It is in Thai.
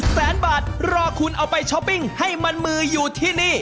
แสนบาทรอคุณเอาไปช้อปปิ้งให้มันมืออยู่ที่นี่